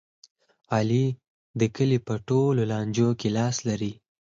علي د کلي په ټول لانجو کې لاس لري.